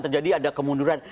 terjadi ada kemunduran